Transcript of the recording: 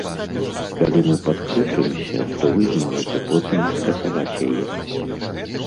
Калі мы падключымся, то вы зможаце потым скасаваць яе?